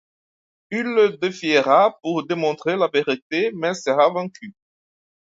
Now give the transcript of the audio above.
Il le défiera pour démontrer la vérité mais sera vaincu.